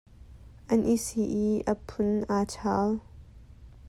An i si i a phun aa chaal.